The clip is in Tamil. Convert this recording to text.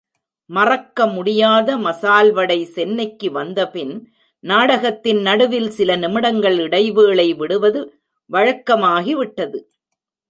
மறக்க முடியாத மசால்வடை சென்னைக்கு வந்தபின் நாடகத்தின் நடுவில் சில நிமிடங்கள் இடைவேளை விடுவது வழக்கமாகி விட்டது.